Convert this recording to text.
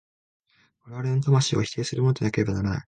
我々の魂を否定するものでなければならない。